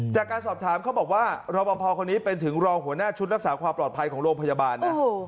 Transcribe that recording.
จากการสอบถามเขาบอกว่ารอปภคนนี้เป็นถึงรองหัวหน้าชุดรักษาความปลอดภัยของโรงพยาบาลนะ